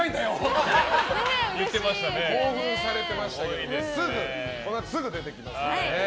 って興奮されてましたけどこのあとすぐ出てきますので。